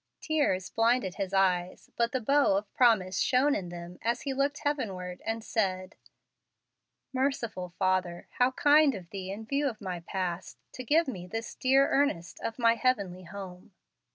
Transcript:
Tears blinded his eyes, but the bow of promise shone in them as he looked heavenward, and said, "Merciful Father! how kind of Thee, in view of my past, to give me this dear earnest of my heavenly home!"